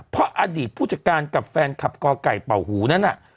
เพราะอดีตผู้จัดการกับแฟนคลับก่อไก่เป่าหูนั้นน่ะ